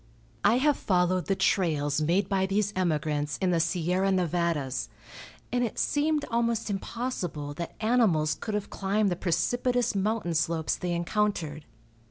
I have followed the trails made by these emigrants in the Sierra Nevadas, and it seemed almost impossible that animals could have climbed the precipitous mountain slopes they encountered.